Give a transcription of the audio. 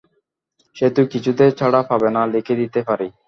সেতো কিছুতেই ছাড়া পাবে না, লিখে দিতে পারি।